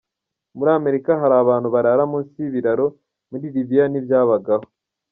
Muri Amerika hari abantu barara munsi y’ibiraro, muri Libyia ntibyabagaho.